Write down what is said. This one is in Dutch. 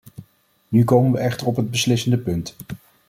Nu komen we echter op het beslissende punt.